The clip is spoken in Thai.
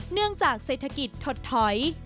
เนื่องจากเศรษฐกิจถดถอย